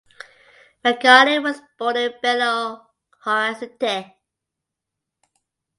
Magaldi was born in Belo Horizonte.